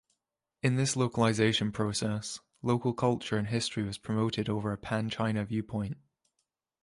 In this localization process, local culture and history was promoted over a pan-China viewpoint.